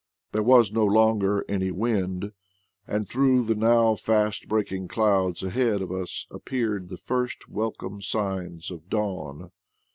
There was no longer any wind, and through the now fast breaking clouds ahead of us appeared the first welcome signs of dawn.